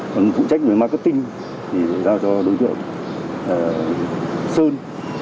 còn phụ trách về marketing thì giao cho đối tượng sơn